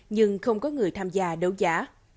nhưng không có người tham gia đấu giá